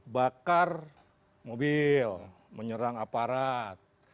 bakar mobil menyerang aparat